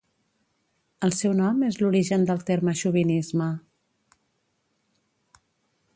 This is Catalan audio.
El seu nom és l'origen del terme xovinisme.